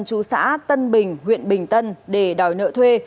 chú xã tân bình huyện bình tân để đòi nợ thuê